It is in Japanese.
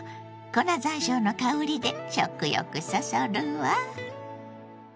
粉ざんしょうの香りで食欲そそるわ。